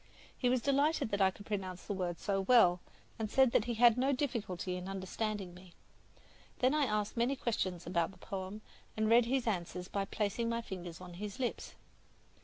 He was delighted that I could pronounce the words so well, and said that he had no difficulty in understanding me. Then I asked many questions about the poem, and read his answers by placing my fingers on his lips.